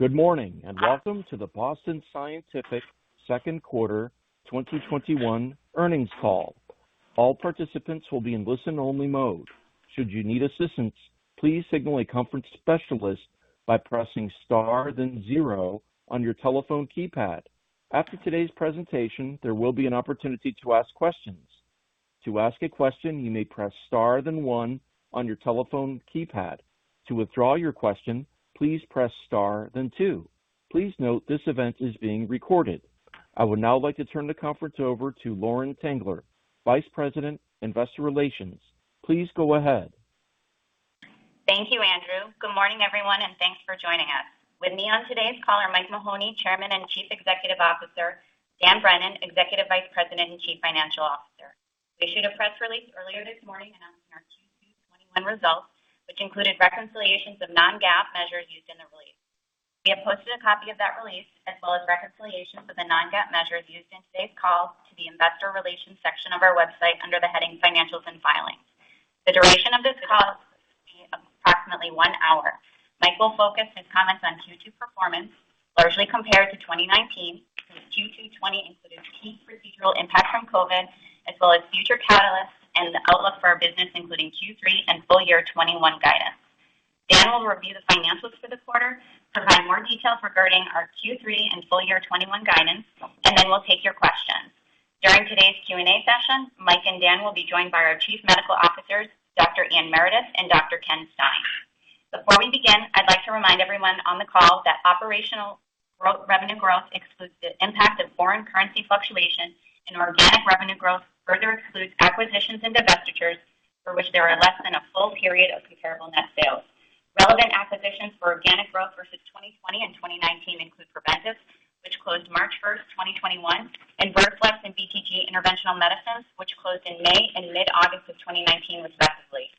Good morning, and welcome to the Boston Scientific Second Quarter 2021 Earnings Call. All participants will be in listen-only mode. Should you need assistance, please signal a conference specialist by pressing star then zero on your telephone keypad. After today's presentation, there will be an opportunity to ask questions. To ask a question, you may press star then one on your telephone keypad. To withdraw your question, please press star then two. Please note this event is being recorded. I would now like to turn the conference over to Lauren Tengler, Vice President, Investor Relations. Please go ahead. Thank you, Andrew. Good morning, everyone, and thanks for joining us. With me on today's call are Mike Mahoney, Chairman and Chief Executive Officer, Dan Brennan, Executive Vice President and Chief Financial Officer. We issued a press release earlier this morning announcing our Q2 2021 results, which included reconciliations of non-GAAP measures used in the release. We have posted a copy of that release, as well as reconciliations of the non-GAAP measures used in today's call to the investor relations section of our website under the heading Financials and Filings. The duration of this call will be approximately one hour. Mike will focus his comments on Q2 performance, largely compared to 2019, since Q2 2020 included peak procedural impact from COVID, as well as future catalysts and the outlook for our business, including Q3 and full year 2021 guidance. Dan will review the financials for the quarter, provide more details regarding our Q3 and full year 2021 guidance, and then we'll take your questions. During today's Q&A session, Mike and Dan will be joined by our Chief Medical Officers, Dr. Ian Meredith and Dr. Kenneth Stein. Before we begin, I'd like to remind everyone on the call that operational revenue growth excludes the impact of foreign currency fluctuation, and organic revenue growth further excludes acquisitions and divestitures for which there are less than a full period of comparable net sales. Relevant acquisitions for organic growth versus 2020 and 2019 include Preventice, which closed March 1st, 2021, and Vertiflex and BTG Interventional Medicines, which closed in May and mid-August of 2019, respectively.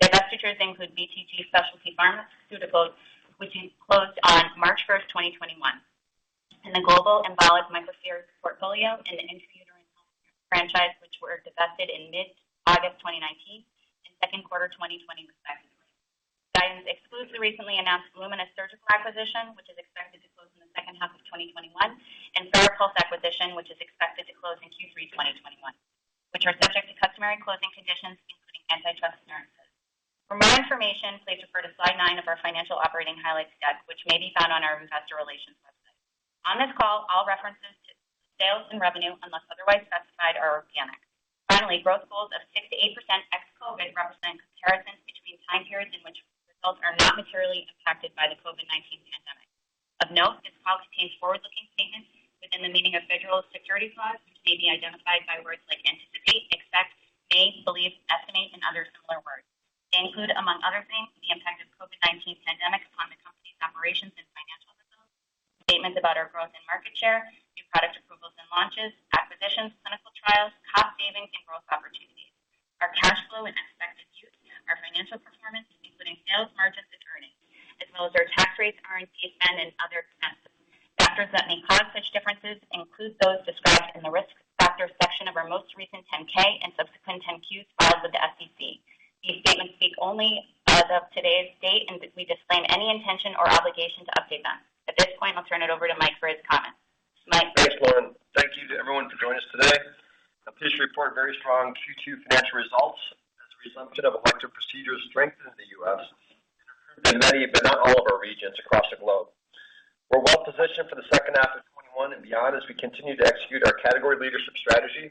Divestitures include BTG Specialty Pharmaceuticals, which closed on March 1st, 2021. The global Embolic Microspheres portfolio and the Intravascular Franchise, which were divested in mid-August 2019 and second quarter 2020, respectively. Guidance excludes the recently announced Lumenis Surgical acquisition, which is expected to close in the second half of 2021, and FARAPULSE acquisition, which is expected to close in Q3 2021, which are subject to customary closing conditions, including antitrust clearances. For more information, please refer to slide nine of our financial operating highlights deck, which may be found on our Investor Relations website. On this call, all references to sales and revenue, unless otherwise specified, are organic. Finally, growth goals of 6%-8% ex-COVID represent comparisons between time periods in which results are not materially affected by the COVID-19 pandemic. Of note, this call contains forward-looking statements within the meaning of federal securities laws, which may be identified by words like anticipate, expect, may, believe, estimate, and other similar words. They include, among other things, the impact of COVID-19 pandemic upon the company's operations and financial results, statements about our growth and market share, new product approvals and launches, acquisitions, clinical trials, cost savings, and growth opportunities, our cash flow and expected use, our financial performance, including sales, margins, and earnings, as well as our tax rates, R&D spend, and other expenses. Factors that may cause such differences include those described in the Risk Factors section of our most recent 10-K and subsequent 10-Qs filed with the SEC. These statements speak only as of today's date, and we disclaim any intention or obligation to update them. At this point, I'll turn it over to Mike for his comments. Mike? Thanks, Lauren. Thank you to everyone for joining us today. I'm pleased to report very strong Q2 financial results as the resumption of elective procedures strengthened in the U.S. and improved in many, but not all of our regions across the globe. We're well-positioned for the second half of 2021 and beyond as we continue to execute our category leadership strategy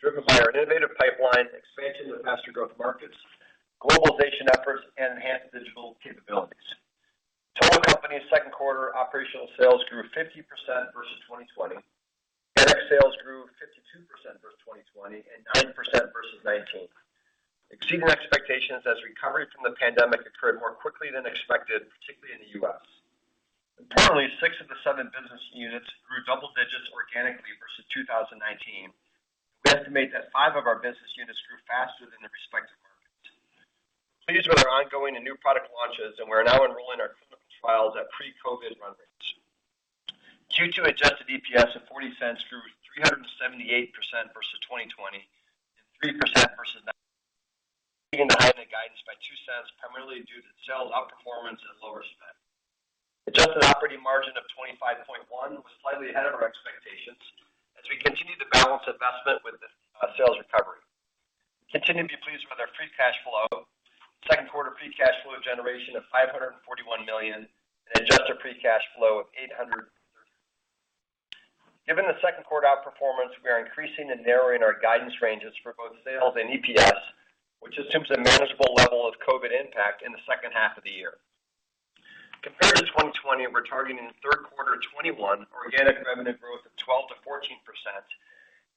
driven by our innovative pipeline expansion to faster growth markets, globalization efforts, and enhanced digital capabilities. Total company second quarter operational sales grew 50% versus 2020. GAAP sales grew 52% versus 2020 and 9% versus 2019, exceeding expectations as recovery from the pandemic occurred more quickly than expected, particularly in the U.S.. Importantly, six of the seven business units grew double digits organically versus 2019. We estimate that five of our business units grew faster than their respective markets. Pleased with our ongoing and new product launches, we're now enrolling our clinical trials at pre-COVID run rates. Q2 adjusted EPS of $0.40 grew 378% versus 2020 and 3% versus 2019. We're increasing the guidance by $0.02 primarily due to sales outperformance and lower spend. Adjusted operating margin of 25.1% was slightly ahead of our expectations as we continue to balance investment with the sales recovery. We continue to be pleased with our free cash flow. Second quarter free cash flow generation of $541 million and adjusted free cash flow of $830 million. Given the second quarter outperformance, we are increasing and narrowing our guidance ranges for both sales and EPS, which assumes a manageable level of COVID impact in the second half of the year. Compared to 2020, we're targeting third quarter 2021 organic revenue growth of 12%-14%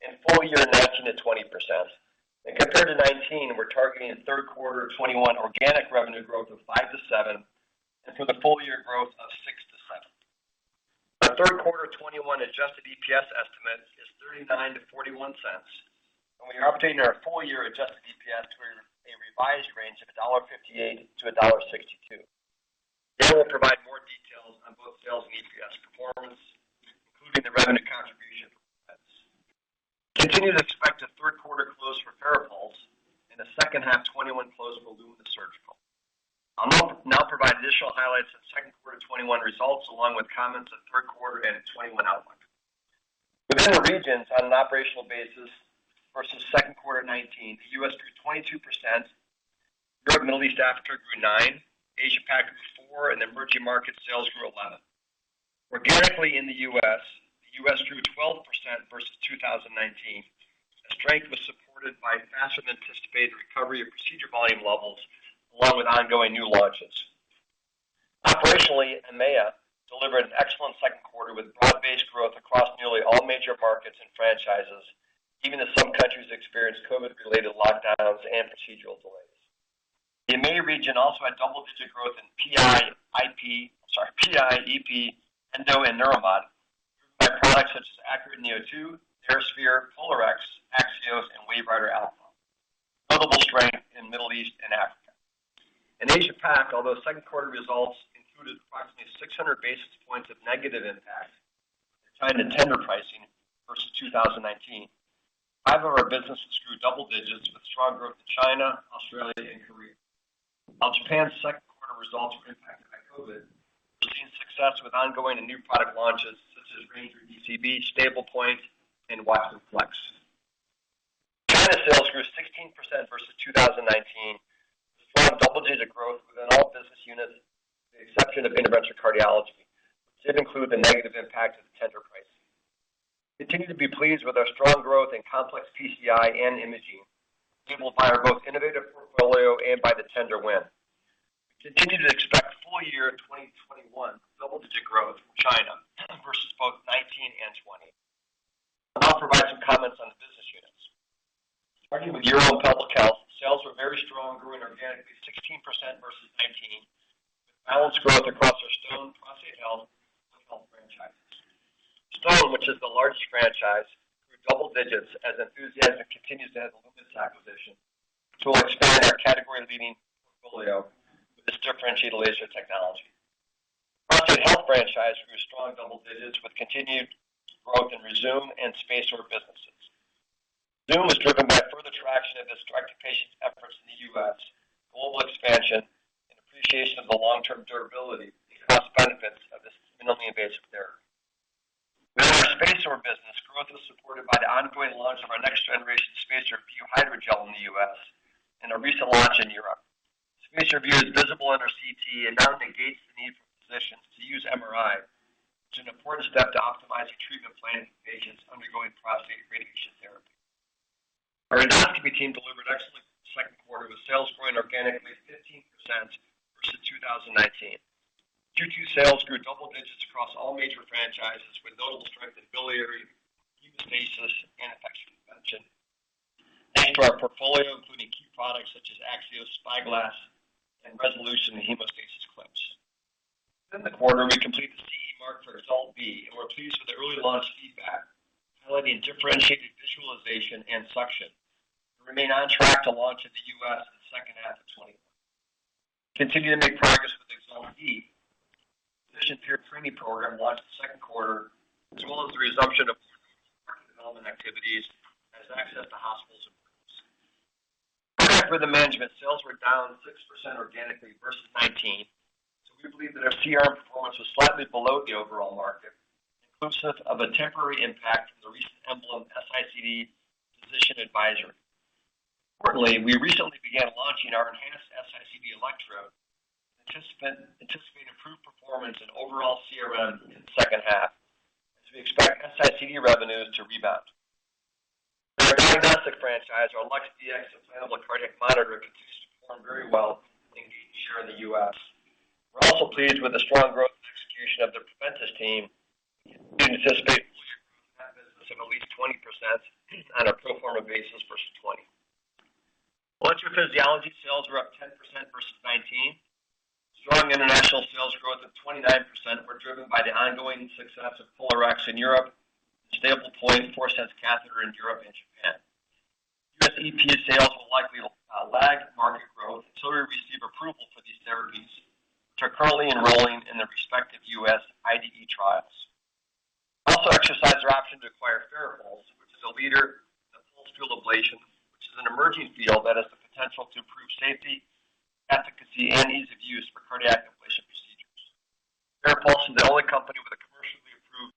and full year margin at 20%. Compared to 2019, we're targeting third quarter 2021 organic revenue growth of 5%-7% and for the full year growth of 6%-7%. Our third quarter 2021 adjusted EPS estimate is $0.39-$0.41. We are updating our full year adjusted EPS to a revised range of $1.58-$1.62. Dan will provide more details on both sales and EPS performance, including the revenue contribution from assets. Continued to expect a third quarter close for FARAPULSE in the second half 2021 flows will do the surgical. I'll now provide additional highlights of second quarter 2021 results, along with comments on third quarter and 2021 outlook. Within the regions on an operational basis versus second quarter 2019, the U.S. grew 22%, Europe, Middle East, Africa grew 9%, Asia Pac grew 4%, and emerging market sales grew 11%. Organically in the U.S., the U.S. grew 12% versus 2019. The strength was supported by a faster than anticipated recovery of procedure volume levels, along with ongoing new launches. Operationally, EMEA delivered an excellent second quarter with broad-based growth across nearly all major markets and franchises, even as some countries experienced COVID-related lockdowns and procedural delays. The EMEA region also had double-digit growth in PI, IP, sorry, PI, EP, Endo and Neuromod, driven by products such as ACURATE neo2, TheraSphere, POLARx, AXIOS, and WaveWriter Alpha. Notable strength in Middle East and Africa. In Asia Pac, although second quarter results included approximately 600 basis points of negative impact tied to tender pricing versus 2019, five of our businesses grew double digits with strong growth in China, Australia, and Korea. While Japan's second quarter results were impacted by COVID, we're seeing success with ongoing and new product launches such as Ranger DCB, STABLEPOINT, and WATCHMAN FLX. China sales grew 16% versus 2019 with strong double-digit growth within all business units with the exception of Interventional Cardiology, which did include the negative impact of the tender pricing. We continue to be pleased with our strong growth in complex PCI and imaging, enabled by our both innovative portfolio and by the tender win. We continue to expect full year 2021 double-digit growth from China versus both 2019 and 2020. I'll now provide some comments on the business units. Starting with Urology and Pelvic Health, sales were very strong, growing organically 16% versus 2019, with balanced growth across our Stone, Prostate Health, and Bladder Health franchises. Stone, which is the largest franchise, grew double digits as enthusiasm continues ahead of the Lumenis acquisition, which will expand our category-leading portfolio with its differentiated laser technology. Prostate Health franchise grew strong double digits with continued growth in Rezūm and SpaceOAR businesses. Rezūm was driven by further traction of its direct to patients efforts in the U.S., global expansion, and appreciation of the long-term durability and cost benefits of this minimally invasive therapy. Within our SpaceOAR business, growth was supported by the ongoing launch of our next generation SpaceOAR Vue Hydrogel in the U.S. and a recent launch in Europe. SpaceOAR Vue is visible under CT and now negates the need for physicians to use MRI, which is an important step to optimizing treatment planning for patients undergoing prostate radiation therapy. Our Interventional team delivered excellent second quarter with sales growing organically 15% versus 2019. Q2 sales grew double digits across all major franchises with notable strength in biliary, hemostasis, and infection prevention, thanks to our portfolio including key products such as AXIOS, SpyGlass, and Resolution the hemostasis clips. Within the quarter, we completed the CE mark for EXALT B, and we're pleased with the early launch feedback highlighting differentiated visualization and suction, and remain on track to launch in the U.S. in the second half of 2021. We continue to make progress with EXALT B. The physician peer training program launched second quarter, as well as the resumption of partner development activities as access to hospitals improves. Cardiac rhythm management, sales were down 6% organically versus 2019. We believe that our CRM performance was slightly below the overall market, inclusive of a temporary impact from the recent EMBLEM S-ICD physician advisory. Importantly, we recently began launching our enhanced S-ICD electrode and anticipate improved performance and overall CRM in the second half as we expect S-ICD revenues to rebound. Within our diagnostic franchise, our LUX-Dx Implantable Cardiac Monitor continues to perform very well and gain share in the U.S.. We're also pleased with the strong growth and execution of the Preventice team and anticipate full year growth of that business of at least 20% on a pro forma basis versus 2020. Electrophysiology sales were up 10% versus 2019. Strong international sales growth of 29% were driven by the ongoing success of POLARx in Europe and the STABLEPOINT ForceSense Catheter in Europe and Japan. U.S. EP sales will likely lag market growth until we receive approval for these therapies, which are currently enrolling in their respective U.S. IDE trials. We also exercised our option to acquire FARAPULSE, which is a leader in the pulsed field ablation, which is an emerging field that has the potential to improve safety, efficacy, and ease of use for cardiac ablation procedures. FARAPULSE is the only company with a commercially approved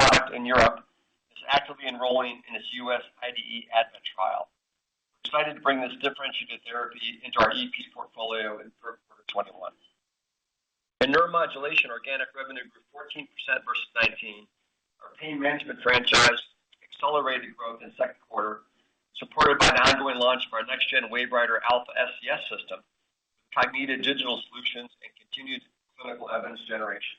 product in Europe and is actively enrolling in its U.S. IDE ADVENT trial. We're excited to bring this differentiated therapy into our EP portfolio in third quarter 2021. In Neuromodulation, organic revenue grew 14% versus 2019. Our Pain Management franchise accelerated growth in second quarter, supported by an ongoing launch of our next-gen WaveWriter Alpha SCS system with time-needed digital solutions and continued clinical evidence generation.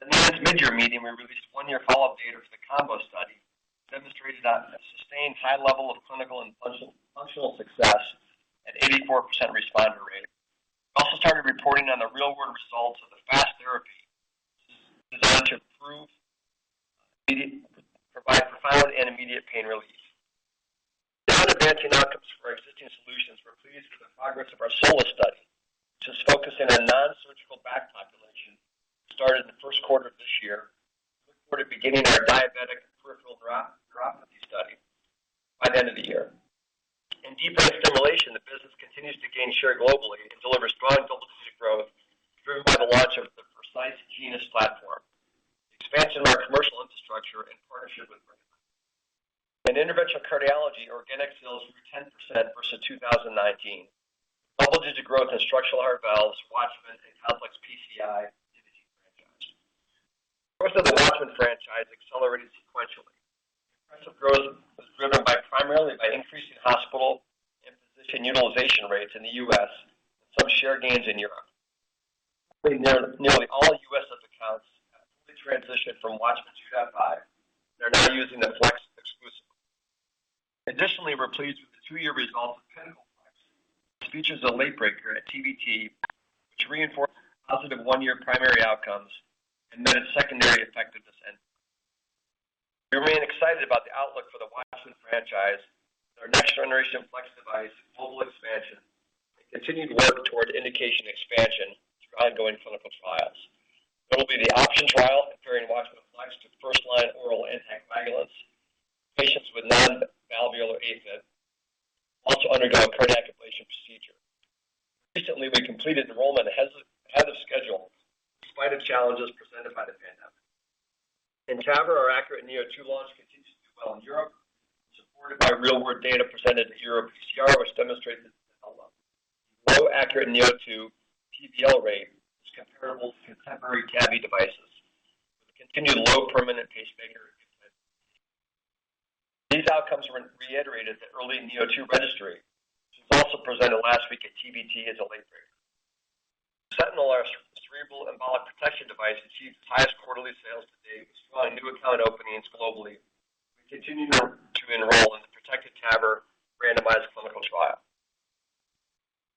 At the last mid-year meeting, we released one-year follow-up data for the COMBO study, which demonstrated a sustained high level of clinical and functional success at 84% responder rate. We also started reporting on the real-world results of the FAST therapy, which is designed to provide profound and immediate pain relief. Beyond advancing outcomes for our existing solutions, we're pleased with the progress of our SOLIS study in a non-surgical back population started in the first quarter of this year. We're beginning our diabetic peripheral neuropathy study by the end of the year. In deep brain stimulation, the business continues to gain share globally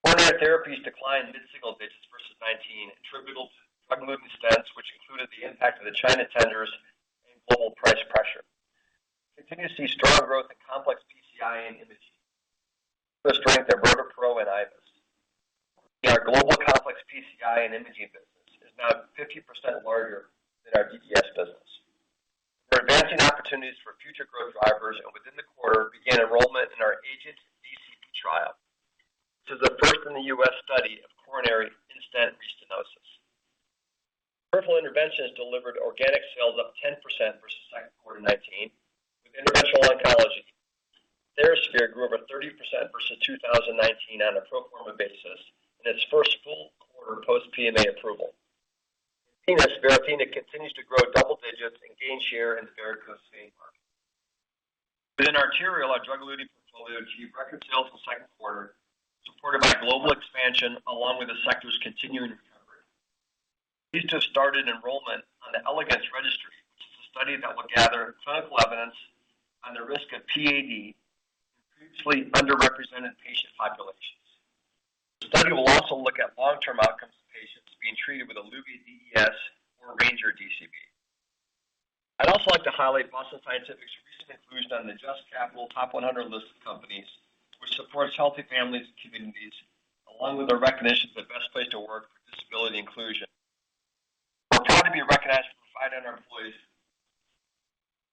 Coronary therapies declined mid-single digits versus 2019, attributable to drug-eluting stents, which included the impact of the China tenders and global price pressure. We continue to see strong growth in complex PCI and imaging. Further strength in ROTAPRO and IVUS. Our global complex PCI and imaging business is now 50% larger than our DES business. We're advancing opportunities for future growth drivers, and within the quarter began enrollment in our AGENT DCB trial. This is the first in the U.S. study of coronary in-stent restenosis. Peripheral intervention has delivered organic sales up 10% versus second quarter 2019, with interventional oncology. TheraSphere grew over 30% versus 2019 on a pro forma basis in its first full quarter post PMA approval. In venous, Varithena continues to grow double digits and gain share in the varicose vein market. Within arterial, our drug-eluting portfolio achieved record sales in the second quarter, supported by global expansion along with the sector's continuing recovery. We just started enrollment on the ELEGANCE registry, which is a study that will gather clinical evidence on the risk of PAD in previously underrepresented patient populations. The study will also look at long-term outcomes of patients being treated with Eluvia DES or Ranger DCB. I'd also like to highlight Boston Scientific's recent inclusion on the JUST Capital Top 100 list of companies, which supports healthy families and communities, along with a recognition of the best place to work for disability inclusion. We're proud to be recognized and provide our employees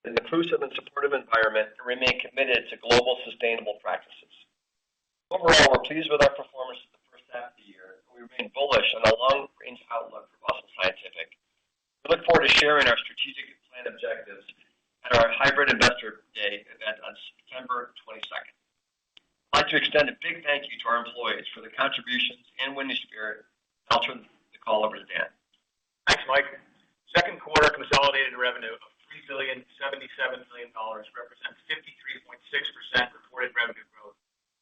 an inclusive and supportive environment, and remain committed to global sustainable practices. Overall, we're pleased with our performance for the first half of the year, and we remain bullish on our long-range outlook for Boston Scientific. We look forward to sharing our strategic and planned objectives at our hybrid Investor Day event on September 22nd. I'd like to extend a big thank you to our employees for their contributions and winning spirit. I'll turn the call over to Dan. Thanks, Mike. Second quarter consolidated revenue of $3.077 billion represents 53.6% reported revenue growth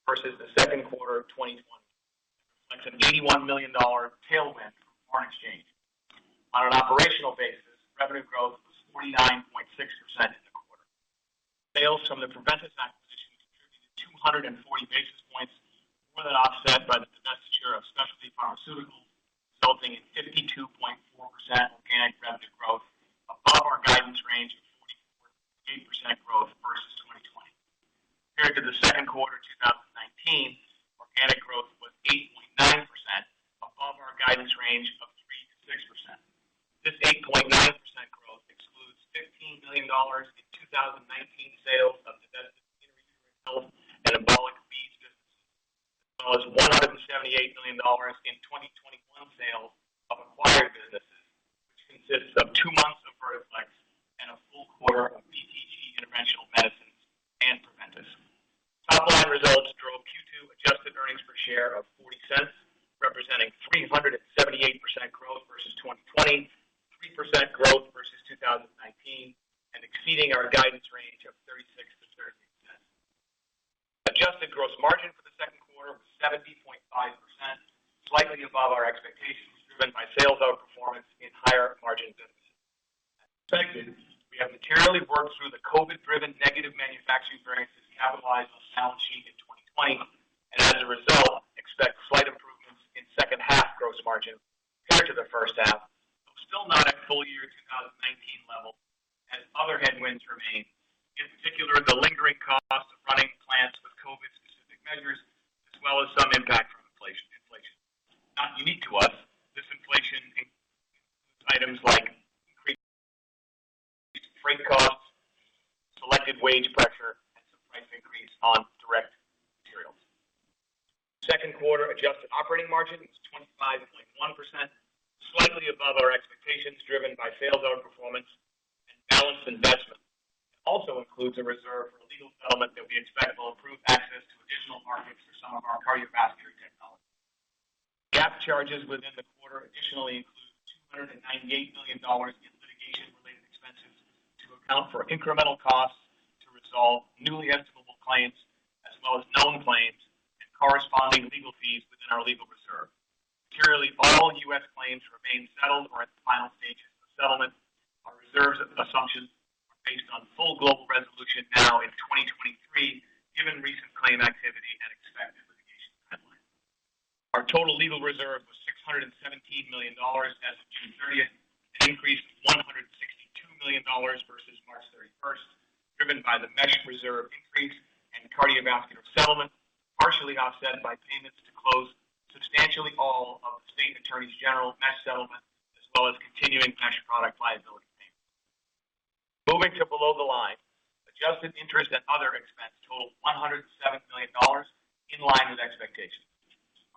versus the second quarter of 2020. That's an $81 million tailwind from foreign exchange. On an operational basis, revenue growth was 49.6% in the quarter. Sales from the Preventice acquisition contributed 240 basis points, more than offset by the divestiture of BTG Specialty Pharmaceuticals, resulting in 52.4% organic revenue growth above our guidance range of 44%-48% growth versus 2020. Compared to the second quarter 2019, organic growth was 8.9%, above our guidance range of 3%-6%. This 8.9% growth excludes $15 million in 2019 sales of divested secondary renal health and Embolic Microspheres, claims remain settled or in the final stages of settlement. Our reserve assumptions are based on full global resolution now in 2023, given recent claim activity and expected litigation timelines. Our total legal reserve was $617 million as of June 30th. It increased to $162 million versus March 31st, driven by the mesh reserve increase and cardiovascular settlement, partially offset by payments to close substantially all of the state attorneys general mesh settlement, as well as continuing mesh product liability payments. Moving to below the line. Adjusted interest and other expense totaled $107 million, in line with expectations.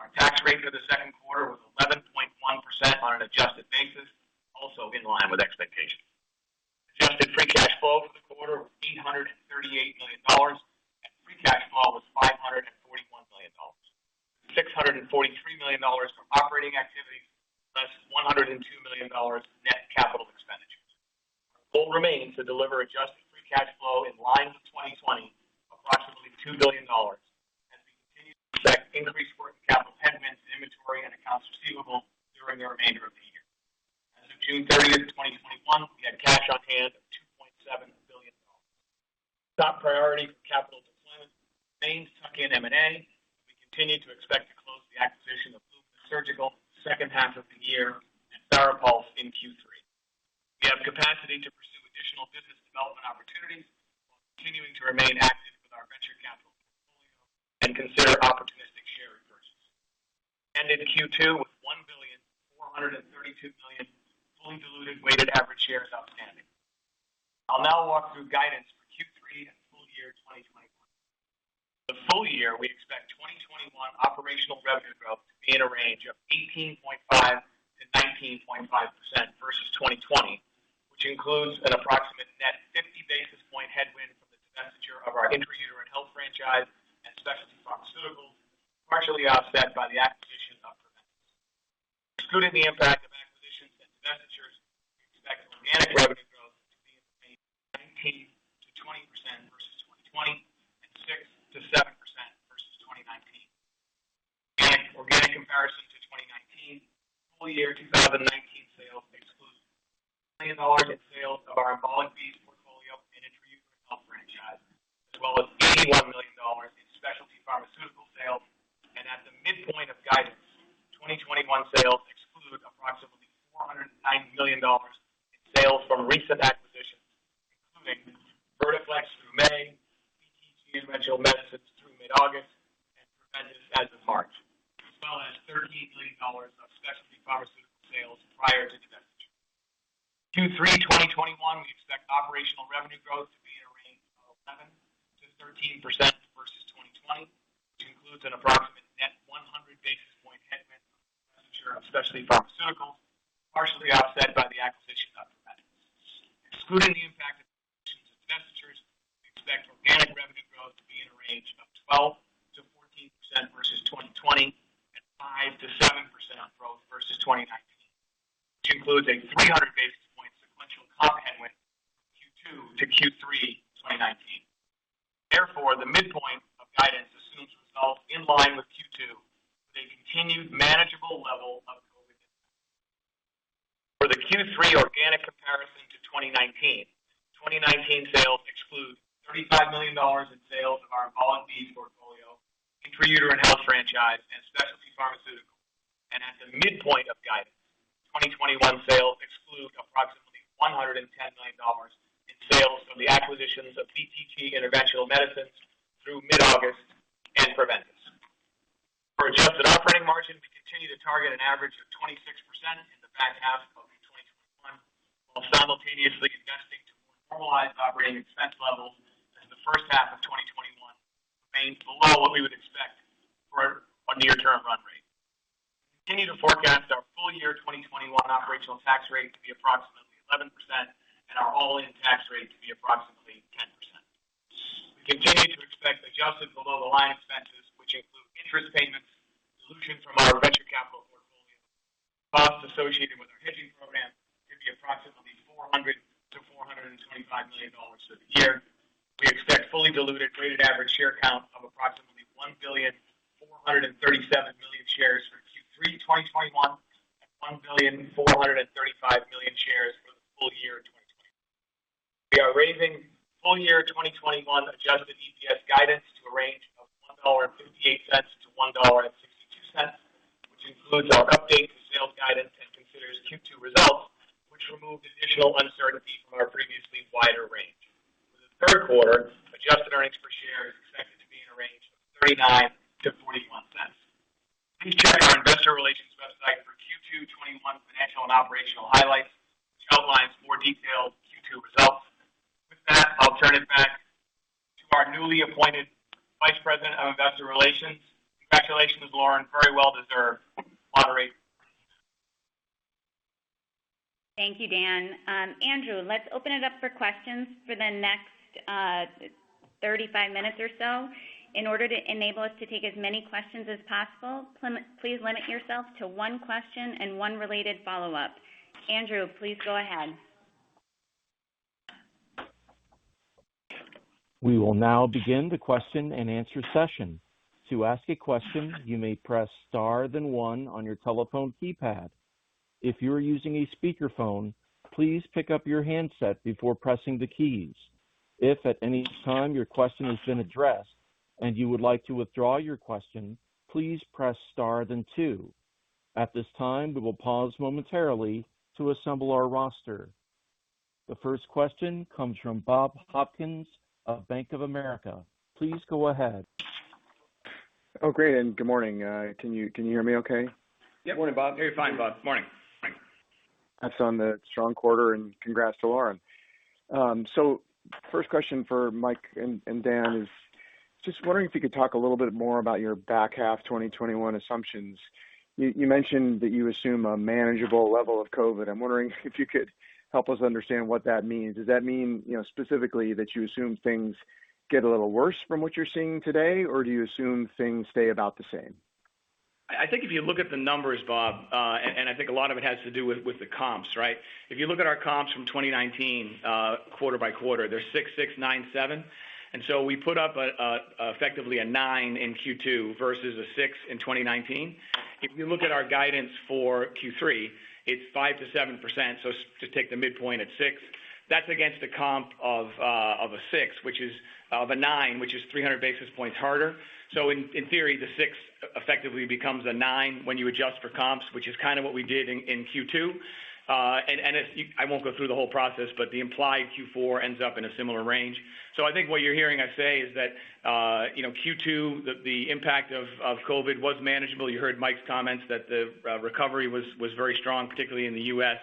Our tax rate for the second quarter was 11.1% on an adjusted basis, also in line with expectations. Adjusted free cash flow for the quarter was $838 million, and free cash flow was $541 million. $643 million from operating activities, less $102 million net capital expenditures. Our goal remains to deliver adjusted free cash flow in line with 2020, approximately $2 billion, as we continue to expect increased working capital payments in inventory and accounts receivable during the remainder of the year. As of June 30th, 2021, we had cash on hand of $2.7 billion. Top priority for capital deployment remains tuck-in M&A. We continue to expect to close the acquisition of Lumenis Surgical second half of the year and FARAPULSE in Q3. We have capacity to pursue additional business development opportunities while continuing to remain active with our venture capital portfolio and consider opportunistic share repurchases. We ended Q2 with $1.432 billion fully diluted weighted average shares outstanding. I'll now walk through guidance for Q3 and full year 2021. For the full year, we expect 2021 operational revenue growth to be in a range of 18.5%-19.5% versus 2020, which includes an approximate net 50 basis point headwind from the divestiture of our Intravascular franchise and BTG Specialty Pharmaceuticals, partially offset by the acquisition of Preventice. Excluding the impact of acquisitions and divestitures, we expect organic revenue growth to be in the range of 19%-20% versus 2020, and 6%-7% versus 2019. In organic comparison to 2019, full-year 2019 sales exclude $7 million in sales of our Embolic Beads portfolio and Intravascular franchise as well as $81 million in specialty pharmaceutical sales. At the midpoint of guidance, 2021 sales exclude approximately $490 million in sales from recent acquisitions, including Vertiflex through May, BTG Interventional Medicines through mid-August, and Preventice as of March, as well as $13 million of specialty pharmaceutical sales prior to divestiture. Q3 2021, we expect operational revenue growth to be in a range of 11%-13% versus 2020, which includes an approximate net 100 basis point headwind from the divestiture of specialty pharmaceuticals, partially offset by the acquisition of Preventice. Excluding the impact of acquisitions and divestitures, we expect organic revenue growth to be in a range of 12%-14% versus 2020, and 5%-7% on growth versus 2019, which includes a 300 basis point sequential comp headwind from Q2 to Q3 2019. The midpoint of guidance assumes results in line with Q2 with a continued manageable level of COVID impact. For the Q3 organic comparison to 2019, 2019 sales exclude $35 million in sales of our Embolic Beads portfolio, Intravascular franchise, and specialty pharmaceuticals. At the midpoint of guidance, 2021 sales exclude approximately $110 million in sales from the acquisitions of BTG Interventional Medicines through mid-August and Preventice. For adjusted operating margin, we continue to target an average of 26% in the back half of 2021 while simultaneously adjusting to more normalized operating expense levels, as the first half of 2021 remains below what we would expect for a near-term run rate. We continue to forecast our full-year 2021 operational tax rate to be approximately 11%, and our all-in tax rate to be approximately 10%. We continue to expect adjusted below-the-line expenses, which include interest payments, dilution from our venture capital portfolio, and costs associated with our hedging program, to be approximately $400 million-$425 million for the year. We expect fully diluted weighted average share count of approximately $1.437 billion shares for Q3 2021 and $1.435 billion shares for the full year 2021. We are raising full-year 2021 adjusted EPS guidance to a range of $1.58-$1.68. Includes our update to sales guidance and considers Q2 results, which remove additional uncertainty from our previously wider range. For the third quarter, adjusted earnings per share is expected to be in a range of $0.39-$0.41. Please check our Investor Relations website for Q2 2021 financial and operational highlights, which outlines more detailed Q2 results. With that, I'll turn it back to our newly appointed Vice President of Investor Relations. Congratulations, Lauren. Very well deserved. Lauren? Thank you, Dan. Andrew, let's open it up for questions for the next 35 minutes or so. In order to enable us to take as many questions as possible, please limit yourself to one question and one related follow-up. Andrew, please go ahead. We will now begin the question and answer session. To ask a question, you may press star then one on your telephone keypad. If you’re using a speakerphone, please pick up your handset before pressing the keys. If at anytime your question has been addressed and you would like to withdraw your question, please press star then two. At this time we will pause momentarily to assemble our roster. The first question comes from Bob Hopkins of Bank of America. Please go ahead. Oh, great, good morning. Can you hear me okay? Yep. Good morning, Bob. Hear you fine, Bob. Morning. Morning. That's on the strong quarter, and congrats to Lauren. First question for Mike and Dan is just wondering if you could talk a little bit more about your back half 2021 assumptions. You mentioned that you assume a manageable level of COVID. I'm wondering if you could help us understand what that means. Does that mean specifically that you assume things get a little worse from what you're seeing today, or do you assume things stay about the same? I think if you look at the numbers, Bob, I think a lot of it has to do with the comps, right? If you look at our comps from 2019, quarter-by-quarter, they're 6%, 9%, 7%. We put up effectively a 9% in Q2 versus a 6% in 2019. If you look at our guidance for Q3, it's 5%-7%, to take the midpoint at 6%. That's against a comp of a 6% which is a 9%, which is 300 basis points harder. In theory, the 6% effectively becomes a 9% when you adjust for comps, which is kind of what we did in Q2. I won't go through the whole process. The implied Q4 ends up in a similar range. I think what you're hearing us say is that Q2, the impact of COVID was manageable. You heard Mike's comments that the recovery was very strong, particularly in the U.S..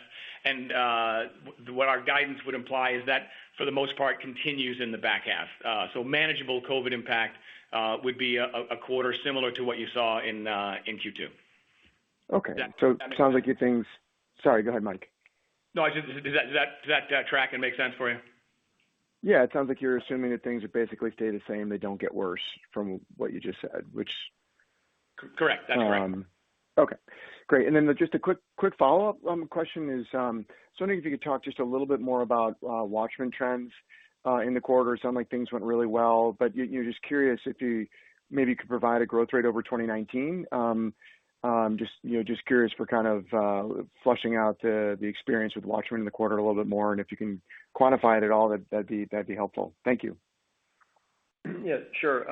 What our guidance would imply is that for the most part continues in the back half. Manageable COVID impact would be a quarter similar to what you saw in Q2. Okay. Does that make sense? Sorry, go ahead, Mike. No, does that track and make sense for you? Yeah. It sounds like you're assuming that things would basically stay the same, they don't get worse from what you just said. Correct. That's correct. Okay, great. Just a quick follow-up question is, just wondering if you could talk just a little bit more about WATCHMAN trends in the quarter. It sounds like things went really well. You're just curious if you maybe could provide a growth rate over 2019. Just curious for kind of fleshing out the experience with WATCHMAN in the quarter a little bit more. If you can quantify it at all, that'd be helpful. Thank you. Sure.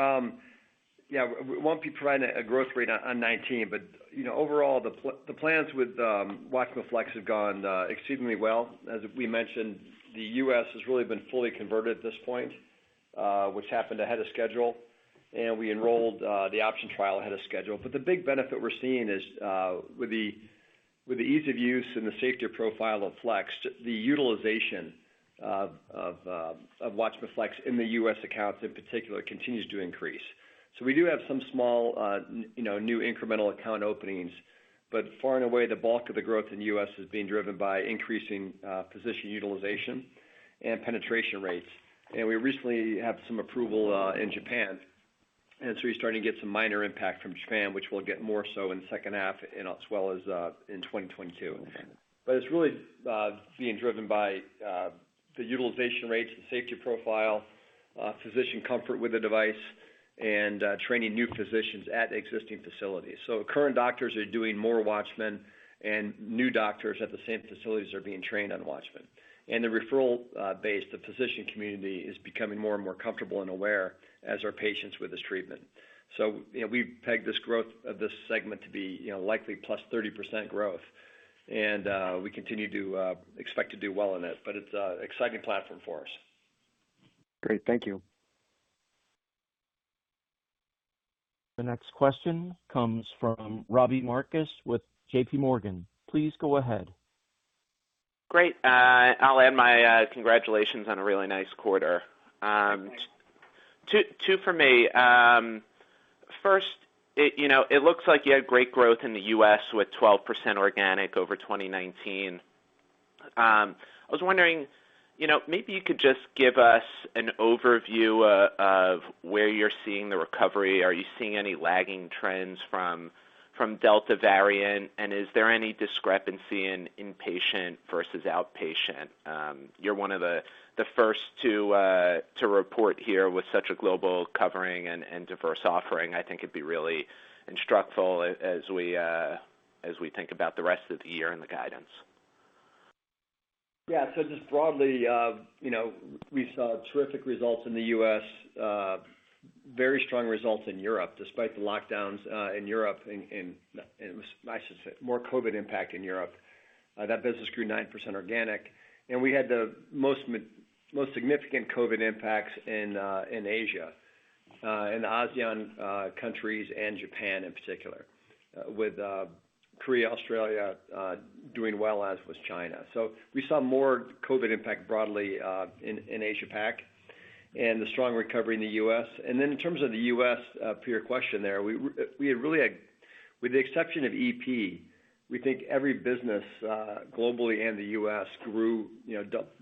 Will not be providing a growth rate on 2019. Overall, the plans with WATCHMAN FLX have gone exceedingly well. As we mentioned, the U.S. has really been fully converted at this point, which happened ahead of schedule. We enrolled the OPTION trial ahead of schedule. The big benefit we are seeing is with the ease of use and the safety profile of FLX, the utilization of WATCHMAN FLX in the U.S. accounts in particular continues to increase. We do have some small new incremental account openings. Far and away, the bulk of the growth in the U.S. is being driven by increasing physician utilization and penetration rates. We recently had some approval in Japan. You are starting to get some minor impact from Japan, which we will get more so in the second half as well as in 2022. It's really being driven by the utilization rates, the safety profile, physician comfort with the device, and training new physicians at existing facilities. Current doctors are doing more WATCHMAN, and new doctors at the same facilities are being trained on WATCHMAN. The referral base, the physician community, is becoming more and more comfortable and aware as are patients with this treatment. We've pegged this growth of this segment to be likely +30% growth. We continue to expect to do well in it, but it's an exciting platform for us. Great. Thank you. The next question comes from Robbie Marcus with JPMorgan. Please go ahead. Great. I'll add my congratulations on a really nice quarter. Thanks. Two for me. First, it looks like you had great growth in the U.S. with 12% organic over 2019. I was wondering, maybe you could just give us an overview of where you're seeing the recovery. Are you seeing any lagging trends from Delta variant, and is there any discrepancy in inpatient versus outpatient? You're one of the first to report here with such a global covering and diverse offering. I think it'd be really instructive as we think about the rest of the year and the guidance. Just broadly, we saw terrific results in the U.S., very strong results in Europe, despite the lockdowns in Europe and, I should say, more COVID impact in Europe. That business grew 9% organic, we had the most significant COVID impacts in Asia, in the ASEAN countries and Japan in particular, with Korea, Australia doing well, as was China. We saw more COVID impact broadly in Asia-Pac and the strong recovery in the U.S. In terms of the U.S., for your question there, with the exception of EP, we think every business globally and the U.S. grew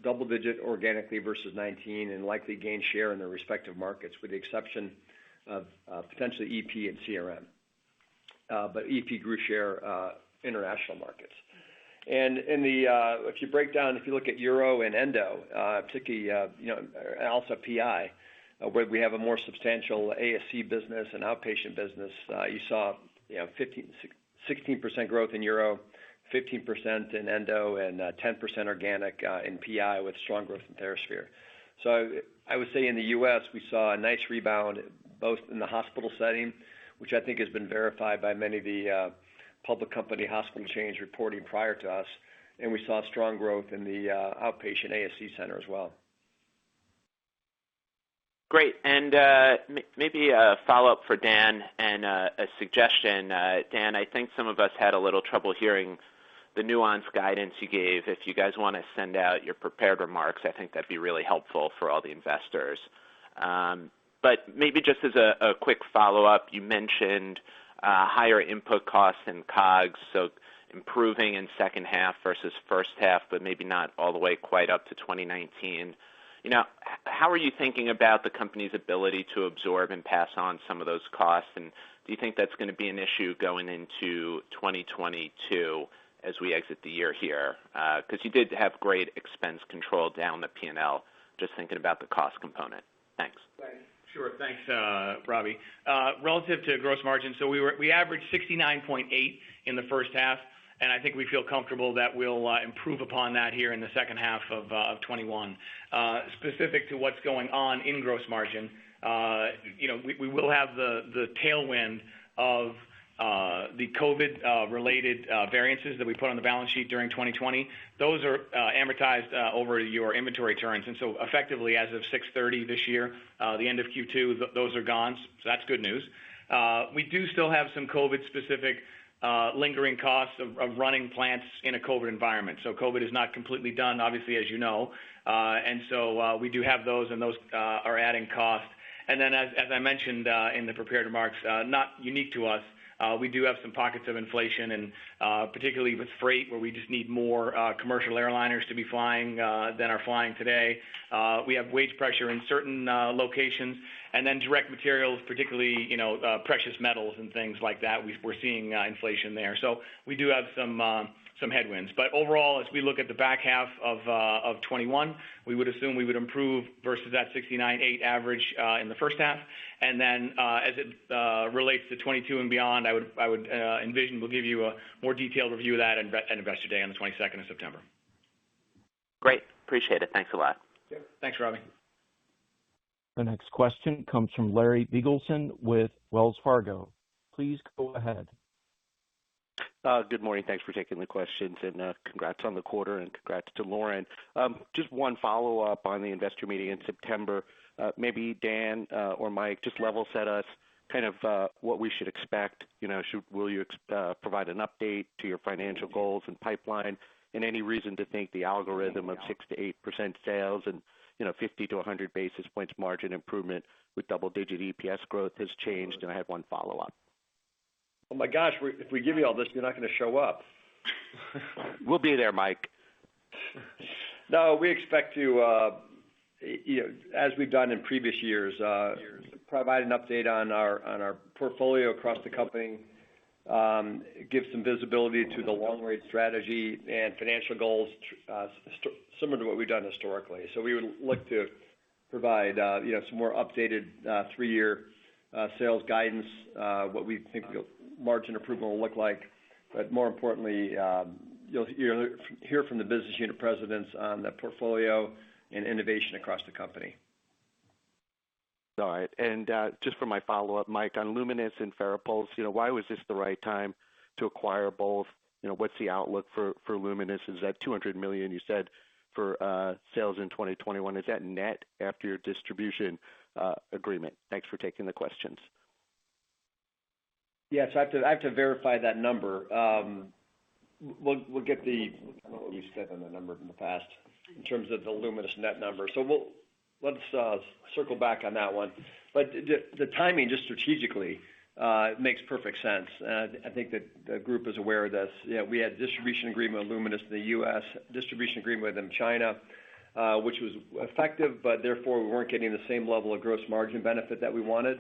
double-digit organically versus 2019 and likely gained share in their respective markets, with the exception of potentially EP and CRM. EP grew share international markets. If you break down, if you look at Urology and Endoscopy, particularly, and also PI, where we have a more substantial ASC business and outpatient business, you saw 16% growth in Urology, 15% in Endoscopy, and 10% organic in PI, with strong growth in TheraSphere. I would say in the U.S., we saw a nice rebound both in the hospital setting, which I think has been verified by many of the public company hospital chains reporting prior to us, and we saw strong growth in the outpatient ASC center as well. Great. Maybe a follow-up for Dan and a suggestion. Dan, I think some of us had a little trouble hearing the nuanced guidance you gave. If you guys want to send out your prepared remarks, I think that'd be really helpful for all the investors. Maybe just as a quick follow-up, you mentioned higher input costs and COGS, improving in second half versus first half, but maybe not all the way quite up to 2019. How are you thinking about the company's ability to absorb and pass on some of those costs? Do you think that's going to be an issue going into 2022 as we exit the year here? Because you did have great expense control down the P&L. Just thinking about the cost component. Thanks. Sure. Thanks, Robbie. Relative to gross margin, we averaged 69.8% in the first half, and I think we feel comfortable that we'll improve upon that here in the second half of 2021. Specific to what's going on in gross margin, we will have the tailwind of the COVID-related variances that we put on the balance sheet during 2020. Those are amortized over your inventory turns. Effectively, as of June 30 this year, the end of Q2, those are gone. That's good news. We do still have some COVID-specific lingering costs of running plants in a COVID environment. COVID is not completely done, obviously, as you know. We do have those, and those are adding cost. As I mentioned in the prepared remarks, not unique to us, we do have some pockets of inflation, and particularly with freight, where we just need more commercial airliners to be flying than are flying today. We have wage pressure in certain locations, and then direct materials, particularly precious metals and things like that, we're seeing inflation there. We do have some headwinds. Overall, as we look at the back half of 2021, we would assume we would improve versus that 69.8% average in the first half. As it relates to 2022 and beyond, I would envision we'll give you a more detailed review of that at Investor Day on the 22nd of September. Great. Appreciate it. Thanks a lot. Yeah. Thanks, Robbie. The next question comes from Larry Biegelsen with Wells Fargo. Please go ahead. Good morning. Thanks for taking the questions. Congrats on the quarter and congrats to Lauren. Just one follow-up on the Investor Meeting in September. Maybe Dan or Mike, just level set us, kind of what we should expect. Will you provide an update to your financial goals and pipeline? Any reason to think the algorithm of 6%-8% sales and 50-100 basis points margin improvement with double-digit EPS growth has changed? I have one follow-up. Oh my gosh, if we give you all this, you're not going to show up. We'll be there, Mike. We expect to, as we've done in previous years, provide an update on our portfolio across the company, give some visibility to the long-range strategy and financial goals similar to what we've done historically. We would look to provide some more updated three-year sales guidance, what we think margin improvement will look like. More importantly, you'll hear from the business unit presidents on the portfolio and innovation across the company. All right. Just for my follow-up, Mike, on Lumenis and FARAPULSE, why was this the right time to acquire both? What's the outlook for Lumenis? Is that $200 million you said for sales in 2021, is that net after your distribution agreement? Thanks for taking the questions. Yeah. I have to verify that number. We'll get I don't know what we said on the number in the past in terms of the Lumenis net number. Let's circle back on that one. The timing, just strategically, makes perfect sense. I think the group is aware of this. We had a distribution agreement with Lumenis in the U.S., distribution agreement with them China, which was effective, therefore, we weren't getting the same level of gross margin benefit that we wanted,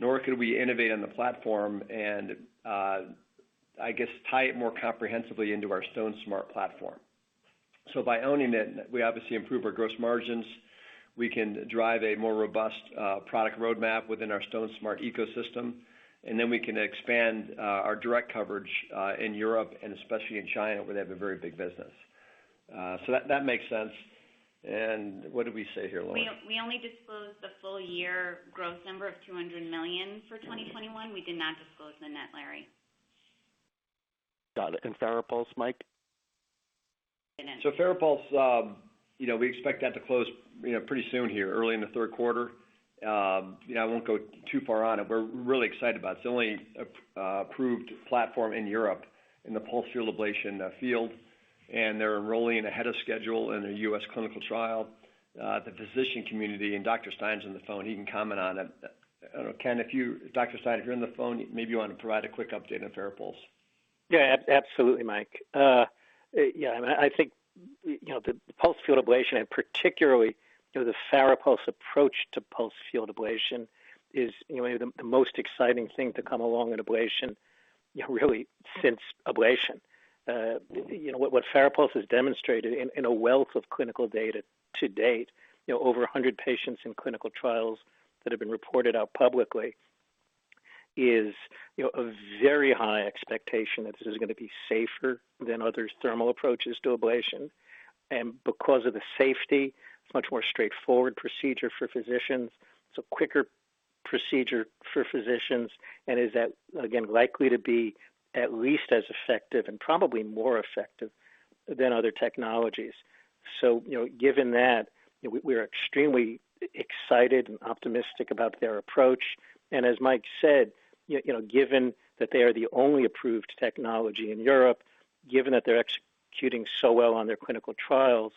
nor could we innovate on the platform and, I guess, tie it more comprehensively into our StoneSmart platform. By owning it, we obviously improve our gross margins. We can drive a more robust product roadmap within our StoneSmart ecosystem, then we can expand our direct coverage in Europe and especially in China, where they have a very big business. That makes sense. What did we say here, Lauren? We only disclosed the full year growth number of $200 million for 2021. We did not disclose the net, Larry. Got it. FARAPULSE, Mike? FARAPULSE, we expect that to close pretty soon here, early in the third quarter. I won't go too far on it. We're really excited about it. It's the only approved platform in Europe in the pulsed field ablation field. They're enrolling ahead of schedule in a U.S. clinical trial. The physician community, and Dr. Stein's on the phone, he can comment on it. I don't know, Kenneth, if you Dr. Stein, if you're on the phone, maybe you want to provide a quick update on FARAPULSE. Absolutely, Mike. I think, the pulsed field ablation, particularly, the FARAPULSE approach to pulsed field ablation is the most exciting thing to come along in ablation really since ablation. What FARAPULSE has demonstrated in a wealth of clinical data to date, over 100 patients in clinical trials that have been reported out publicly, is a very high expectation that this is going to be safer than other thermal approaches to ablation. Because of the safety, it's a much more straightforward procedure for physicians, it's a quicker procedure for physicians, and is at, again, likely to be at least as effective and probably more effective than other technologies. Given that, we're extremely excited and optimistic about their approach. As Mike said, given that they are the only approved technology in Europe, given that they're executing so well on their clinical trials,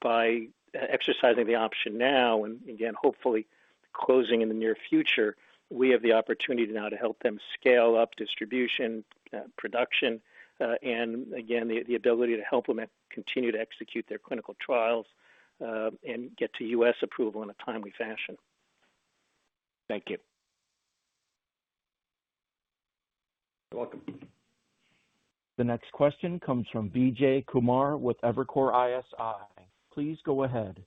by exercising the option now, and again, hopefully closing in the near future, we have the opportunity now to help them scale up distribution, production, and again, the ability to help them continue to execute their clinical trials, and get to U.S. approval in a timely fashion. Thank you. You're welcome. The next question comes from Vijay Kumar with Evercore ISI. Please go ahead.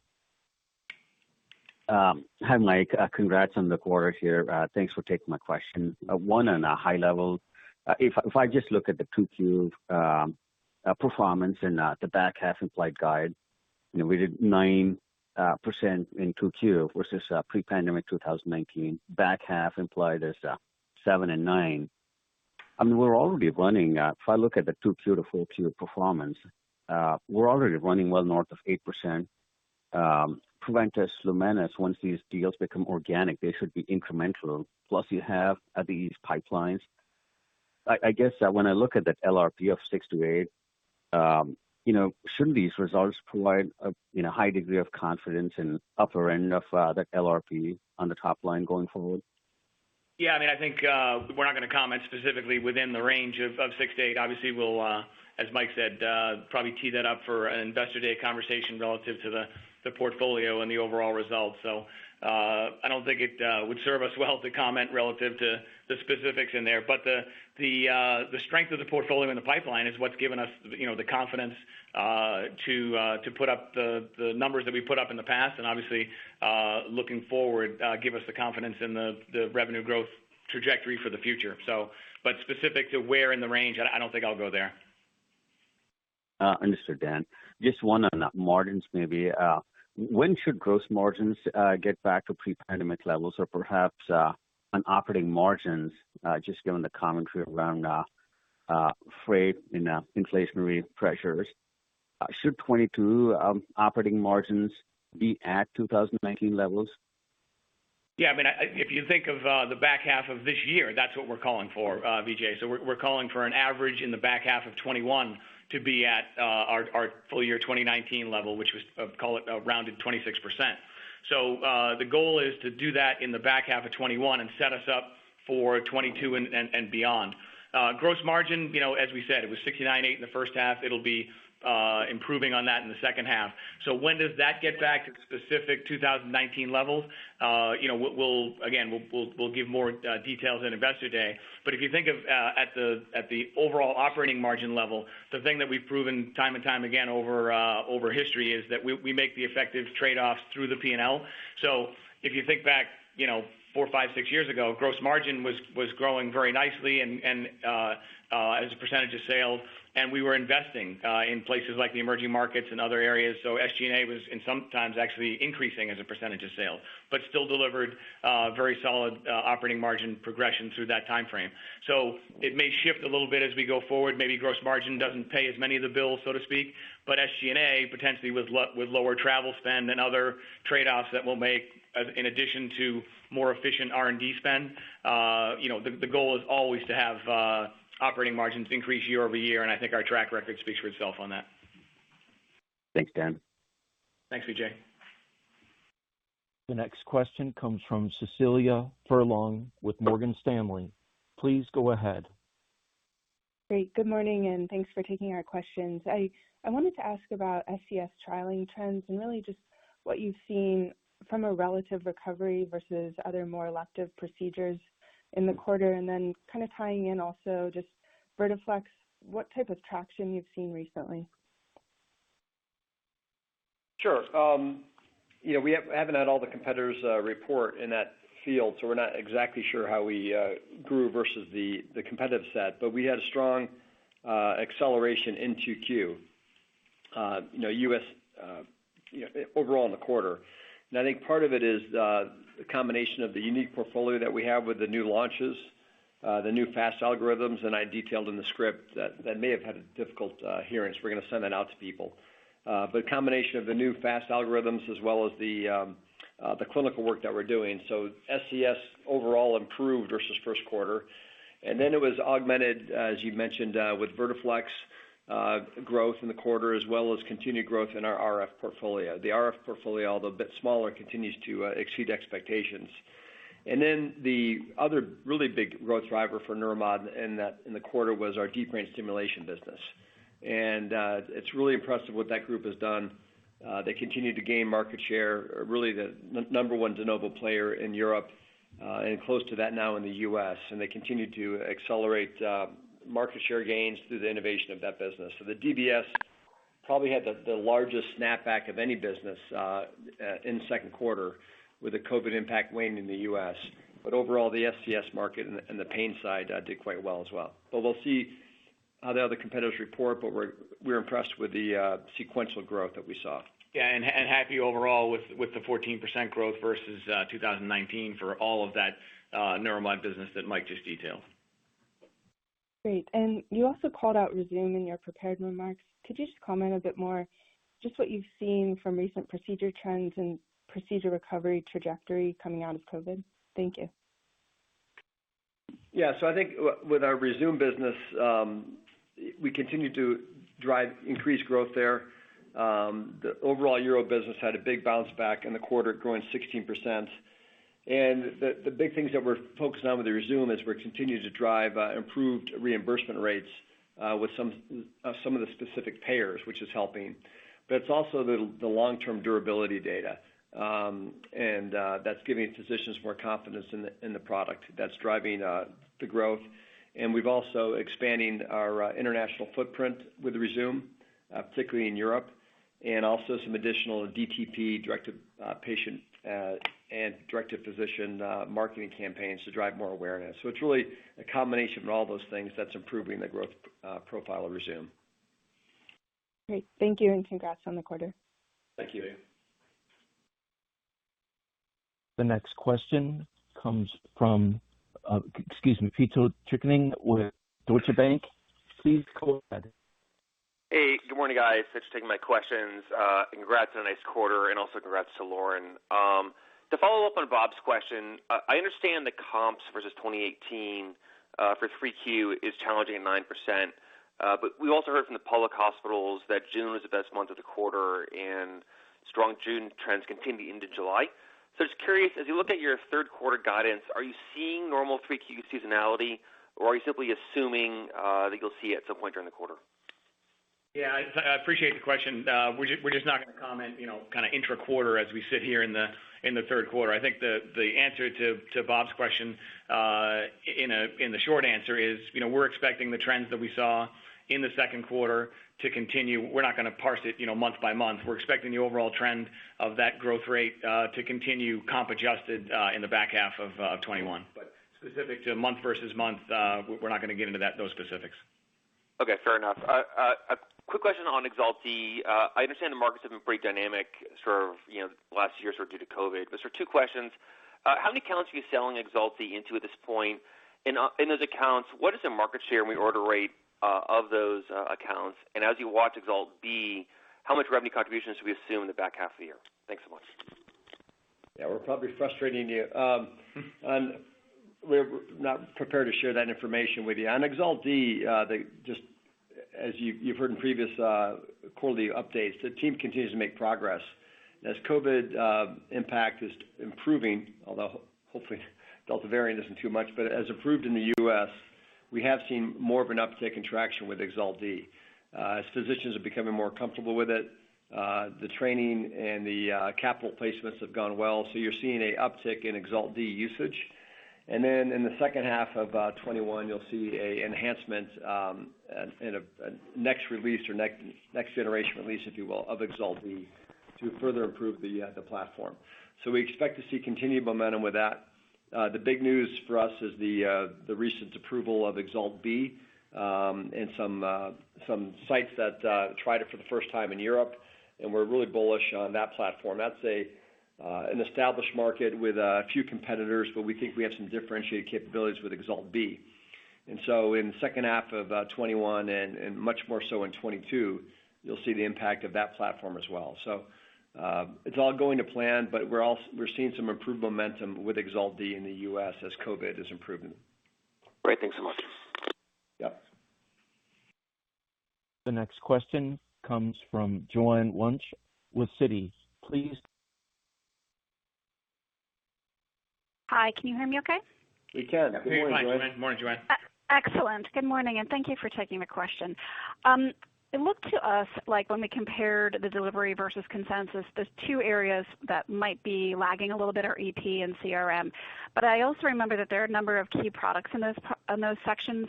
Hi, Mike. Congrats on the quarter here. Thanks for taking my question. On a high level, if I just look at the 2Q performance and the back half implied guide, we did 9% in 2Q versus pre-pandemic 2019. Back half implied is 7%-9%. I mean, we're already running, if I look at the 2Q to 4Q performance, we're already running well north of 8%. Preventice, Lumenis, once these deals become organic, they should be incremental. You have these pipelines. I guess that when I look at that LRP of 6%-8%, shouldn't these results provide a high degree of confidence in upper end of that LRP on the top line going forward? Yeah, I think we're not going to comment specifically within the range of 6%-8%. We'll, as Mike said, probably tee that up for an Investor Day conversation relative to the portfolio and the overall results. I don't think it would serve us well to comment relative to the specifics in there. The strength of the portfolio in the pipeline is what's given us the confidence to put up the numbers that we put up in the past, and obviously, looking forward, give us the confidence in the revenue growth trajectory for the future. Specific to where in the range, I don't think I'll go there. Understood, Dan. Just one on the margins, maybe. When should gross margins get back to pre-pandemic levels? Perhaps on operating margins, just given the commentary around freight and inflationary pressures. Should 2022 operating margins be at 2019 levels? Yeah. If you think of the back half of this year, that's what we're calling for, Vijay. We're calling for an average in the back half of 2021 to be at our full year 2019 level, which was, call it, rounded 26%. The goal is to do that in the back half of 2021 and set us up for 2022 and beyond. Gross margin, as we said, it was 69.8% in the first half. It'll be improving on that in the second half. When does that get back to specific 2019 levels? Again, we'll give more details at Investor Day. If you think of at the overall operating margin level, the thing that we've proven time and time again over history is that we make the effective trade-offs through the P&L. If you think back, four, five, six years ago, gross margin was growing very nicely as a percentage of sales. We were investing in places like the emerging markets and other areas. SG&A was in some times actually increasing as a percentage of sales. Still delivered very solid operating margin progression through that timeframe. It may shift a little bit as we go forward. Maybe gross margin doesn't pay as many of the bills, so to speak. SG&A potentially with lower travel spend and other trade-offs that we'll make in addition to more efficient R&D spend. The goal is always to have operating margins increase year-over-year, and I think our track record speaks for itself on that. Thanks, Dan. Thanks, Vijay. The next question comes from Cecilia Furlong with Morgan Stanley. Please go ahead. Great. Good morning. Thanks for taking our questions. I wanted to ask about SCS trialing trends and really just what you've seen from a relative recovery versus other more elective procedures in the quarter, and then kind of tying in also just Vertiflex, what type of traction you've seen recently? Sure. We haven't had all the competitors report in that field. We're not exactly sure how we grew versus the competitive set. We had a strong acceleration in 2Q overall in the quarter. I think part of it is the combination of the unique portfolio that we have with the new launches, the new FAST algorithms, and I detailed in the script that may have had difficult hearings. We're going to send that out to people. A combination of the new FAST algorithms as well as the clinical work that we're doing. SCS overall improved versus first quarter. It was augmented, as you mentioned, with Vertiflex growth in the quarter as well as continued growth in our RF portfolio. The RF portfolio, although a bit smaller, continues to exceed expectations. The other really big growth driver for Neuromodulation in the quarter was our deep brain stimulation business. It's really impressive what that group has done. They continue to gain market share, really the number one de novo player in Europe, and close to that now in the U.S.. They continue to accelerate market share gains through the innovation of that business. The DBS probably had the largest snapback of any business in the second quarter with the COVID impact waning in the U.S.. Overall, the SCS market and the pain side did quite well as well. We'll see how the other competitors report, but we're impressed with the sequential growth that we saw. Yeah, happy overall with the 14% growth versus 2019 for all of that Neuromodulation business that Mike just detailed. Great. You also called out Rezūm in your prepared remarks. Could you just comment a bit more just what you've seen from recent procedure trends and procedure recovery trajectory coming out of COVID? Thank you. Yeah. I think with our Rezūm business, we continue to drive increased growth there. The overall Urology business had a big bounce back in the quarter, growing 16%. The big things that we're focused on with the Rezūm is we're continuing to drive improved reimbursement rates with some of the specific payers, which is helping. It's also the long-term durability data. That's giving physicians more confidence in the product. That's driving the growth. We've also expanding our international footprint with Rezūm, particularly in Europe, and also some additional DTP, direct to patient and direct to physician marketing campaigns to drive more awareness. It's really a combination of all those things that's improving the growth profile of Rezūm. Great. Thank you. Congrats on the quarter. Thank you. The next question comes from Pito Chickering with Deutsche Bank. Please go ahead. Hey, good morning, guys. Thanks for taking my questions. Congrats on a nice quarter, and also congrats to Lauren. To follow up on Bob's question, I understand the comps versus 2018 for 3Q is challenging at 9%, but we also heard from the public hospitals that June was the best month of the quarter and strong June trends continue into July. Just curious, as you look at your third quarter guidance, are you seeing normal 3Q seasonality, or are you simply assuming that you'll see at some point during the quarter? Yeah, I appreciate the question. We're just not going to comment intra-quarter as we sit here in the third quarter. I think the answer to Bob's question in the short answer is, we're expecting the trends that we saw in the second quarter to continue. We're not going to parse it month by month. We're expecting the overall trend of that growth rate to continue comp adjusted in the back half of 2021. Specific to month versus month, we're not going to get into those specifics. Okay, fair enough. A quick question on EXALT D. I understand the markets have been pretty dynamic sort of last year sort of due to COVID, but sort of two questions. How many accounts are you selling EXALT D into at this point? In those accounts, what is the market share reorder rate of those accounts? As you watch EXALT B, how much revenue contributions should we assume in the back half of the year? Thanks so much. Yeah, we're probably frustrating you. We're not prepared to share that information with you. On EXALT D, just as you've heard in previous quarterly updates, the team continues to make progress. As COVID impact is improving, although hopefully Delta variant isn't too much, but as improved in the U.S., we have seen more of an uptick in traction with EXALT D. As physicians are becoming more comfortable with it, the training and the capital placements have gone well. You're seeing a uptick in EXALT D usage. In the second half of 2021, you'll see a enhancement in a next release or next generation release, if you will, of EXALT D to further improve the platform. We expect to see continued momentum with that. The big news for us is the recent approval of EXALT B in some sites that tried it for the first time in Europe. We're really bullish on that platform. That's an established market with a few competitors, but we think we have some differentiated capabilities with EXALT B. In the second half of 2021 and much more so in 2022, you'll see the impact of that platform as well. It's all going to plan, but we're seeing some improved momentum with EXALT D in the U.S. as COVID is improving. Great. Thanks so much. Yeah. The next question comes from Joanne Wuensch with Citi. Hi, can you hear me okay? We can. Good morning, Joanne. Excellent. Good morning, and thank you for taking the question. It looked to us like when we compared the delivery versus consensus, those two areas that might be lagging a little bit are EP and CRM. I also remember that there are a number of key products in those sections.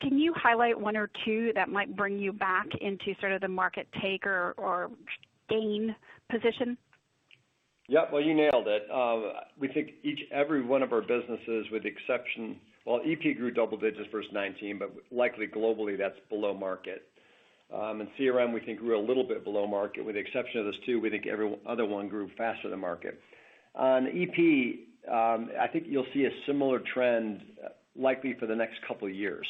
Can you highlight one or two that might bring you back into sort of the market take or gain position? Yeah. Well, you nailed it. We think each and every one of our businesses, with the exception, EP grew double-digits versus 2019, but likely globally, that's below market. In CRM, we think we're a little bit below market. With the exception of those two, we think every other one grew faster than market. On EP, I think you'll see a similar trend likely for the next couple of years,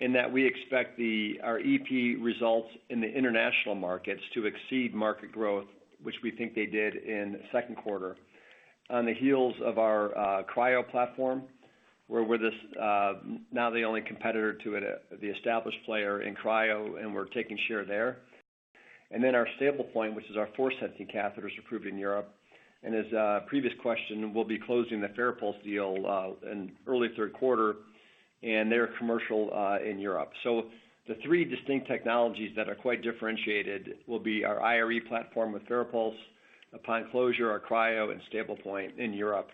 in that we expect our EP results in the international markets to exceed market growth, which we think they did in the second quarter, on the heels of our Cryo platform, where we're now the only competitor to the established player in Cryo, and we're taking share there. Our STABLEPOINT, which is our force sensing catheters approved in Europe. As the previous question, we'll be closing the FARAPULSE deal in early third quarter, and they are commercial in Europe. The three distinct technologies that are quite differentiated will be our IRE platform with FARAPULSE upon closure, our Cryo and STABLEPOINT in Europe.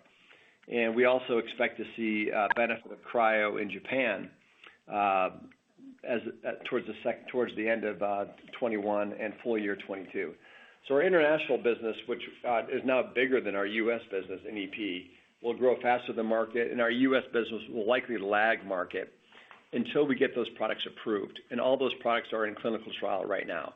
We also expect to see a benefit of Cryo in Japan towards the end of 2021 and full year 2022. Our international business, which is now bigger than our U.S. business in EP, will grow faster than market, and our U.S. business will likely lag market until we get those products approved, and all those products are in clinical trial right now.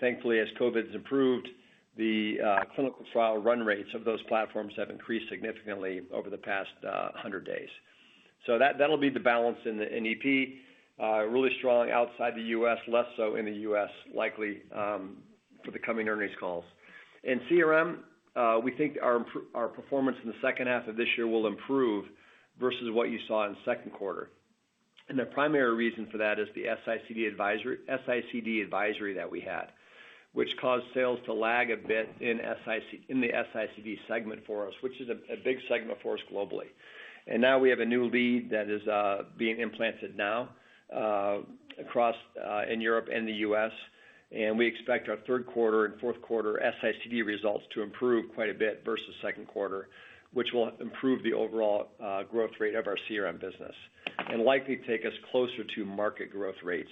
Thankfully, as COVID's improved, the clinical trial run rates of those platforms have increased significantly over the past 100 days. That'll be the balance in EP, really strong outside the U.S., less so in the U.S., likely for the coming earnings calls. In CRM, we think our performance in the second half of this year will improve versus what you saw in the second quarter. The primary reason for that is the S-ICD advisory that we had, which caused sales to lag a bit in the S-ICD segment for us, which is a big segment for us globally. Now we have a new lead that is being implanted now across in Europe and the U.S., and we expect our third quarter and fourth quarter S-ICD results to improve quite a bit versus second quarter, which will improve the overall growth rate of our CRM business, and likely take us closer to market growth rates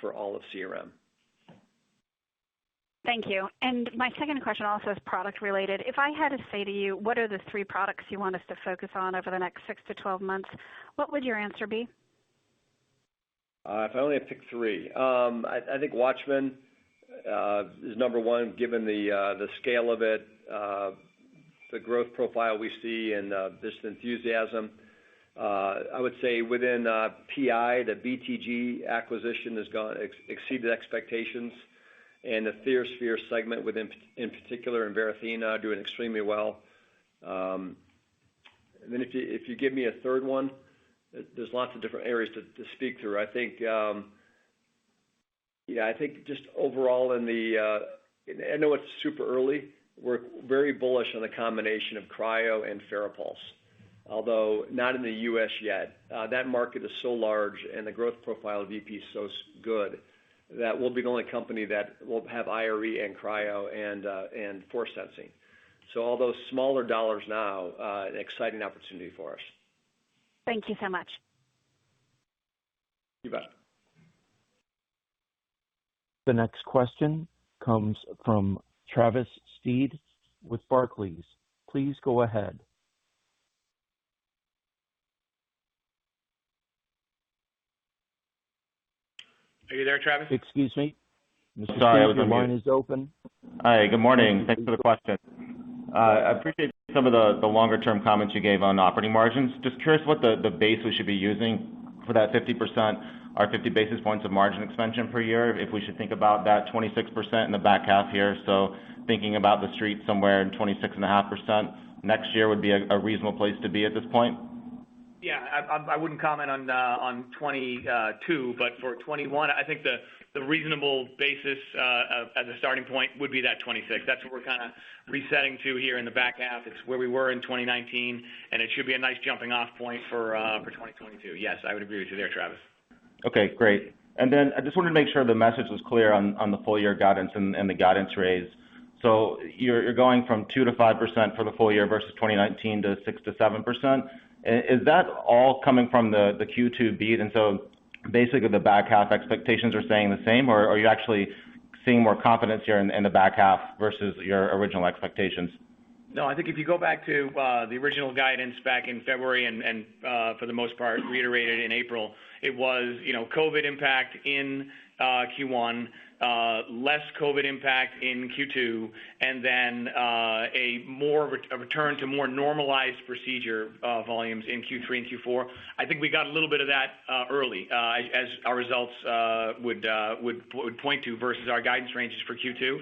for all of CRM. Thank you. My second question also is product related. If I had to say to you, what are the three products you want us to focus on over the next 6 to 12 months, what would your answer be? If I only have to pick three. I think WATCHMAN is number one, given the scale of it, the growth profile we see and just the enthusiasm. I would say within PI, the BTG acquisition has exceeded expectations and the TheraSphere segment within, in particular in Varithena, doing extremely well. If you give me a third one, there's lots of different areas to speak to. I think just overall I know it's super early. We're very bullish on the combination of Cryo and FARAPULSE, although not in the U.S. yet. That market is so large and the growth profile of EP is so good that we'll be the only company that will have IRE and Cryo and force sensing. Although smaller dollars now, exciting opportunity for us. Thank you so much. You bet. The next question comes from Travis Steed with Barclays. Please go ahead. Are you there, Travis? Excuse me. Sorry, I was on mute. Mr. Steed, your line is open. Hi, good morning. Thanks for the question. I appreciate some of the longer-term comments you gave on operating margins. Just curious what the base we should be using for that 50% or 50 basis points of margin expansion per year, if we should think about that 26% in the back half here. Thinking about the street somewhere in 26.5% next year would be a reasonable place to be at this point? Yeah, I wouldn't comment on 2022, but for 2021, I think the reasonable basis as a starting point would be that 26%. That's what we're kind of resetting to here in the back half. It's where we were in 2019. It should be a nice jumping-off point for 2022. Yes, I would agree with you there, Travis. Okay, great. I just wanted to make sure the message was clear on the full-year guidance and the guidance raise. You're going from 2%-5% for the full year versus 2019 to 6%-7%. Is that all coming from the Q2 beat, basically the back half expectations are staying the same, or are you actually seeing more confidence here in the back half versus your original expectations? I think if you go back to the original guidance back in February and for the most part reiterated in April, it was COVID impact in Q1, less COVID impact in Q2, then a return to more normalized procedure volumes in Q3 and Q4. I think we got a little bit of that early as our results would point to versus our guidance ranges for Q2.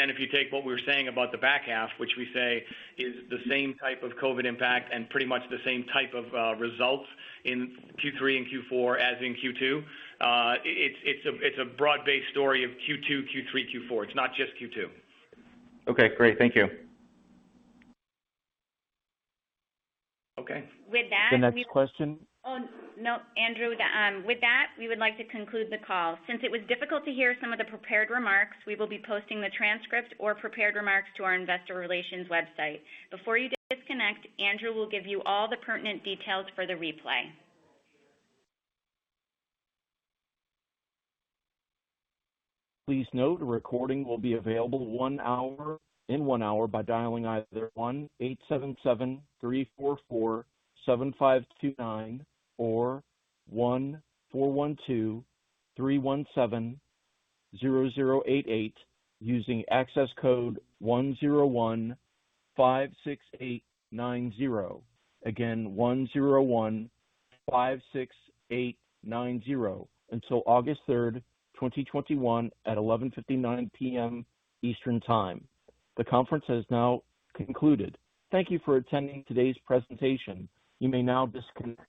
Then if you take what we were saying about the back half, which we say is the same type of COVID impact and pretty much the same type of results in Q3 and Q4 as in Q2, it's a broad-based story of Q2, Q3, Q4. It's not just Q2. Okay, great. Thank you. Okay. With that. The next question. Oh, no, Andrew. With that, we would like to conclude the call. Since it was difficult to hear some of the prepared remarks, we will be posting the transcript or prepared remarks to our investor relations website. Before you disconnect, Andrew will give you all the pertinent details for the replay. Please note the recording will be available in one hour by dialing either 1877-344-7529 or 1112-317-0088 using access code 10156890. Again, 10156890 until August 3rd, 2021 at 11:59 PM Eastern Time. The conference has now concluded. Thank you for attending today's presentation. You may now disconnect.